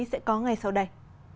sẽ có ngay sau đây